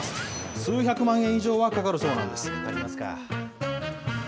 数百万円以上はかかるそうなんです。